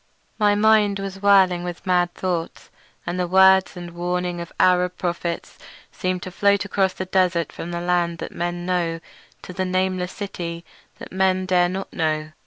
My mind was whirling with mad thoughts, and the words and warnings of Arab prophets seemed to float across the desert from the lands that men know to the nameless city that men dare not know.